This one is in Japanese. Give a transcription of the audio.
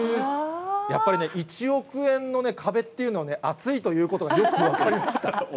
やっぱりね、１億円の壁っていうのはね、厚いということがよく分かりました。